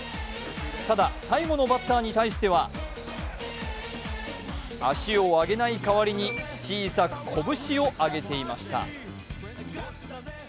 ただ、最後のバッターに対しては足を上げない代わりに小さく拳を上げていました。